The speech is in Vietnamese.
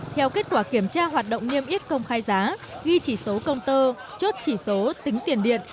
theo kết quả kiểm tra hoạt động niêm yết công khai giá ghi chỉ số công tơ chốt chỉ số tính tiền điện